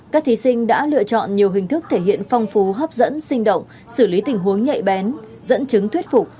các thí sinh đã lựa chọn nhiều hình thức thể hiện phong phú hấp dẫn sinh động xử lý tình huống nhạy bén dẫn chứng thuyết phục